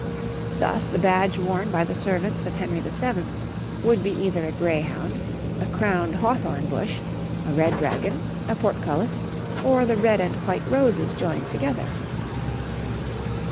Thus, the badge worn by the servants of Henry VII. would be either a greyhound, a crowned hawthorn bush, a red dragon, a portcullis, or the red and white roses joined together.